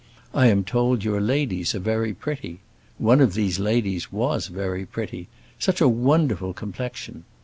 I am told your ladies are very pretty. One of these ladies was very pretty! such a wonderful complexion!